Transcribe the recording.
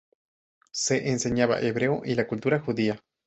Se enseñaba hebreo y la Cultura judía.